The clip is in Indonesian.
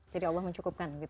jadi allah mencukupkan gitu ya